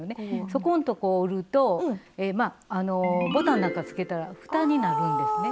そこんとこを折るとまああのボタンなんかつけたら蓋になるんですね。